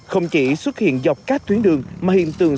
không chỉ xuất hiện dọc các tuyến đường